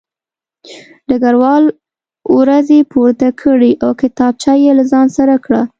ډګروال وروځې پورته کړې او کتابچه یې له ځان سره کړه